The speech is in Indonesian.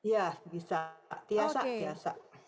ya bisa tiasa tiasa